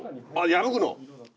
破くの。